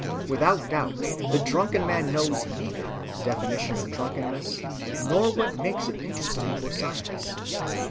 Without doubt, the drunken man knows neither the definition of drunkenness nor what makes it interesting for science.